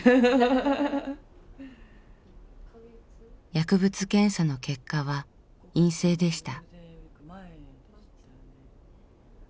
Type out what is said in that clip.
薬物検査の結果は陰性でした。